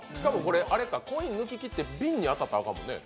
コイン抜ききって瓶に当たったらあかんもんね。